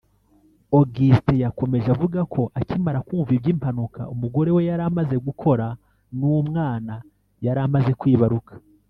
Augustin yakomeje avuga ko akimara kumva iby’impanuka umugore we yari amaze gukora n’umwana yari amaze kwibaruka